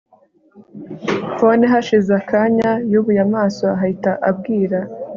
phone hashize akanya yubuye amaso ahita abwira